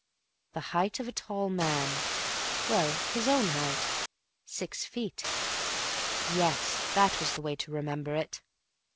The height of a tall man—well, his own height. Six feet. Yes, that was the way to remember it.